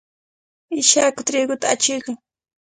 Ishaku triquta achuykan.